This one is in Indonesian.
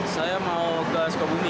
saya mau ke sukabumi